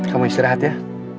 kamu istirahat ya